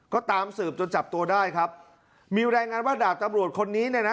ก็ตามสืบจนจับตัวได้ครับมีรายงานว่าดาบตำรวจคนนี้เนี่ยนะ